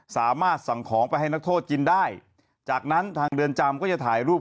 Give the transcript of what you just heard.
สามารถสั่งของไปให้นักโทษกินได้จากนั้นทางเรือนจำก็จะถ่ายรูป